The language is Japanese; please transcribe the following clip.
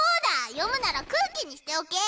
読むなら空気にしておけ。